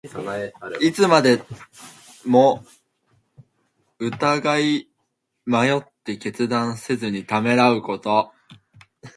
いつまでも疑い迷って、決断せずにためらうこと。